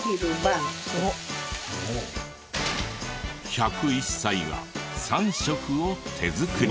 １０１歳が３食を手作り。